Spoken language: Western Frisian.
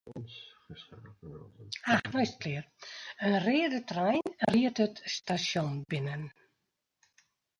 In reade trein ried it stasjon binnen.